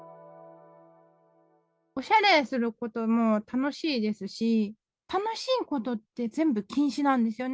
おしゃれすることも楽しいですし、楽しいことって全部禁止なんですよね。